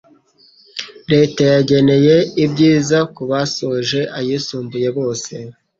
leta yageneye ibyiza ku basoje ayisumbuye bose